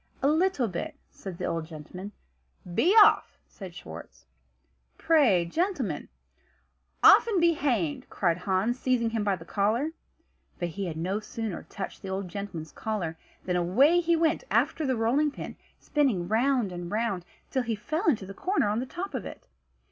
"A little bit," said the old gentleman. "Be off!" said Schwartz. "Pray, gentlemen " "Off, and be hanged!" cried Hans, seizing him by the collar. But he had no sooner touched the old gentleman's collar, than away he went after the rolling pin, spinning round and round, till he fell into the corner on the top of it.